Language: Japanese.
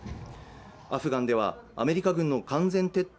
アフガンでは米軍の完全撤退